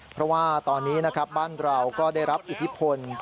เพราะว่าตอนนี้นะครับบ้านเราก็ได้รับอิทธิพล